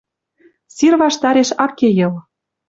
Сир ваштареш ак ке Йыл.